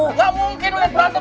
nggak mungkin baru san